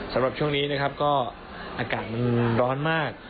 สำหรับช่วงนี้นะครับก็อากาศมันร้อนมาก